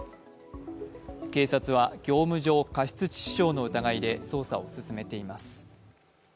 警察は業務上過失致死傷の疑いで捜査を進めています。